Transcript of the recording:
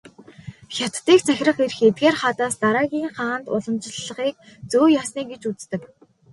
Хятадыг захирах эрх эдгээр хаадаас дараагийн хаанд уламжлахыг "зүй ёсны" гэж үздэг.